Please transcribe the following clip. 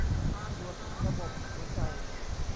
ตรวจระบบหัวใจ